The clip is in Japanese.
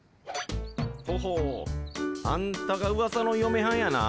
ほほうあんたがウワサのよめはんやな。